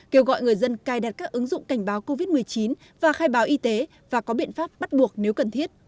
kêu gọi người dân cài đặt các ứng dụng cảnh báo covid một mươi chín và khai báo y tế và có biện pháp bắt buộc nếu cần thiết